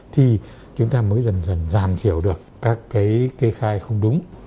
thì chúng ta mới dần dần giảm thiểu được các cái kê khai không đúng